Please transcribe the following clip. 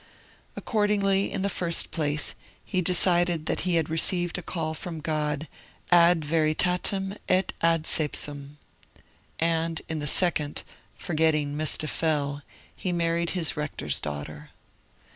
Accordingly, in the first place, he decided that he had received a call from God 'ad veritatem et ad seipsum'; and, in the second, forgetting Miss Deffell, he married his rector's daughter.